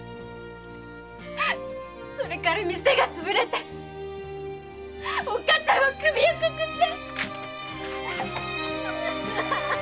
それから店がつぶれておっかさんも首をくくって。